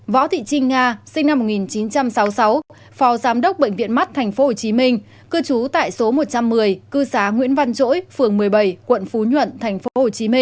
võ thị trinh nga sinh năm một nghìn chín trăm sáu mươi sáu phó giám đốc bệnh viện mắt tp hcm cư trú tại số một trăm một mươi cư xá nguyễn văn chỗi phường một mươi bảy quận phú nhuận tp hcm